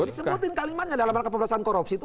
disebutin kalimatnya dalam hal keperasan korupsi itu